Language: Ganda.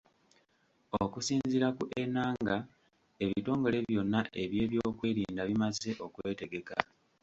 Okusinziira ku Enanga, ebitongole byonna eby'ebyokwerinda bimaze okwetegeka